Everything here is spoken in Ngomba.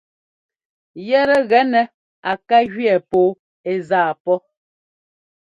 Yɛ́tɛ́ gɛ nɛ́ á ká jʉɛ pɔɔ ɛ́ zaa pɔ́.